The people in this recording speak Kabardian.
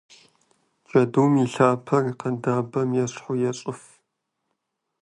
Джэдум и лъапэр къэдабэм ещхьу ещӏыф.